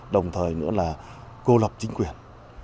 đồng thời nữa là cô lập chính quyền